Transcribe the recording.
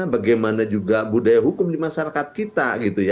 budaya hukum di masyarakat kita